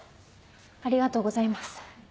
ありがとうございます。